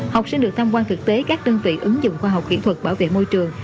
học sinh được tham quan thực tế các đơn vị ứng dụng khoa học kỹ thuật bảo vệ môi trường